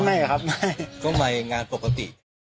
ไม่ครับคือไม่งานปกติ